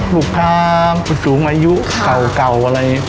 ลูกค้าผู้สูงอายุเก่าอะไร